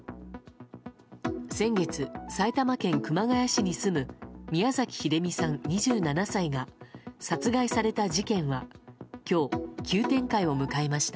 先月、埼玉県熊谷市に住む宮崎英美さん、２７歳が殺害された事件は今日、急展開を迎えました。